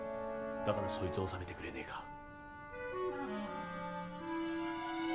だからそいつを収めてくれねえか。